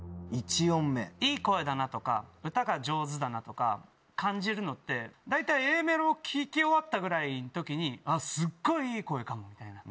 いい声だなとか歌が上手だなとか感じるのって大体Ａメロを聴き終わったぐらいの時に「すごいいい声かも」みたいな。